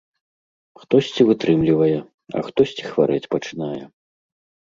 Хтосьці вытрымлівае, а хтосьці хварэць пачынае.